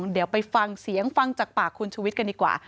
เดี๋ยวไปฟังเสียงฟังจากปากคุณชุวิตกันดีกว่า